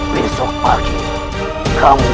besok pagi ini